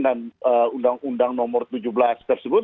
dan undang undang nomor tujuh belas tersebut